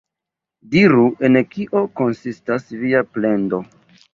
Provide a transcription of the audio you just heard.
Diru, en kio konsistas via plendo?